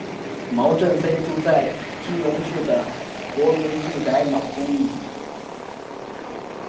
毛振飞住在基隆市的国民住宅老公寓。